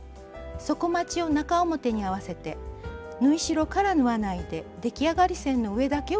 底まちを中表に合わせて縫い代から縫わないで出来上がり線の上だけを縫います。